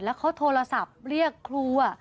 แล้วเขาโทรศัพท์เรียกครู